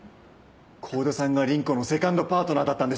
幸田さんが倫子のセカンドパートナーだったんですね。